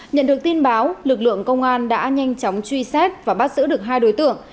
nhận được tin báo lực lượng công an đã nhanh chóng truy xét và bắt giữ được hai đối tượng